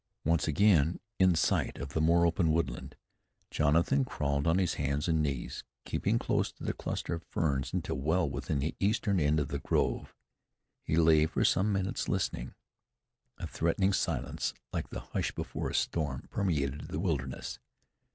Once again in sight of the more open woodland, Jonathan crawled on his hands and knees, keeping close to the cluster of ferns, until well within the eastern end of the grove. He lay for some minutes listening. A threatening silence, like the hush before a storm, permeated the wilderness.